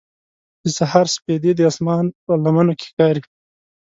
د سهار سپېدې د اسمان په لمنو کې ښکاري.